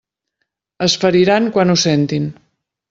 Es feriran quan ho sentin.